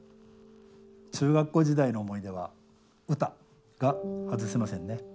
中学校時代の思い出は歌が外せませんね。